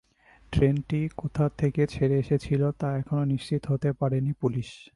ট্রেনটি কোথা থেকে ছেড়ে এসেছিল, তা এখনো নিশ্চিত হতে পারেনি পুলিশ।